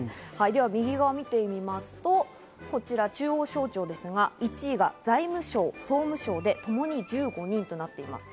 右側を見てみますと、中央省庁ですが、１位が財務省、総務省でともに１５人となっています。